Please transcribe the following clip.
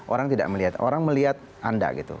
orang tidak melihat orang melihat anda gitu